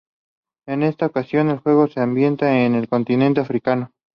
En esta ocasión, el juego se ambienta en el continente africano.